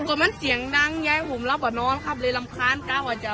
ก็มันเสียงดังยายผมรับอ่ะนอนครับเลยรำคาญกล้าวอาจจะฮือ